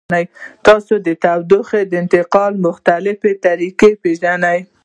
تاسو د تودوخې د انتقال مختلفې طریقې پیژنئ؟